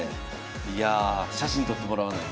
いやあ写真撮ってもらわないと。